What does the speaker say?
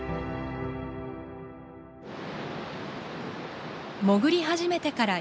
潜り始めてから１時間半ほど。